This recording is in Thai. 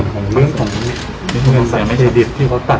พี่แจงในประเด็นที่เกี่ยวข้องกับความผิดที่ถูกเกาหา